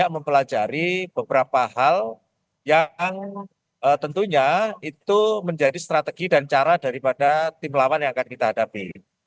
mempelajari beberapa hal yang tentunya itu menjadi strategi dan cara daripada tim lawan yang akan kita hadapi